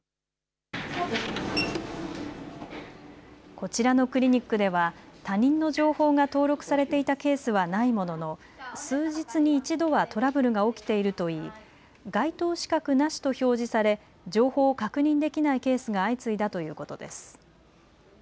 こちらのクリニックでは他人の情報が登録されていたケースはないものの数日に１度はトラブルが起きていると言い該当資格なしと表示され情報を確認できないケースが相次いだということです。